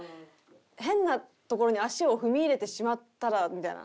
変な所に足を踏み入れてしまったらみたいな。